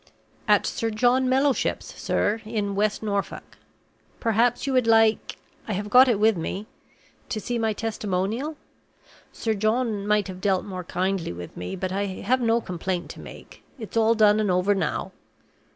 "At Sir John Mellowship's, sir, in West Norfolk. Perhaps you would like I have got it with me to see my testimonial? Sir John might have dealt more kindly with me; but I have no complaint to make; it's all done and over now!"